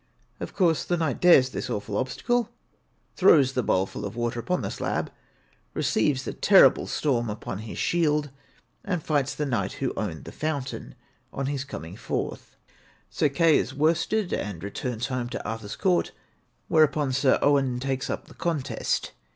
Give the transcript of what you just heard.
' Of course the knight dares this awful obstacle, throws the bowlful of water upon the slab, receives the terrible storm upon his shield, and fights the knight who owned the fountain, on his coming forth. Sir Kai is worsted, and returns home to Arthur's court; whereupon Sir Owain takes up the contest.